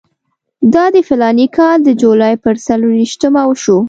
دا د فلاني کال د جولای پر څلېرویشتمه وشو.